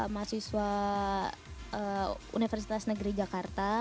mahasiswa universitas negeri jakarta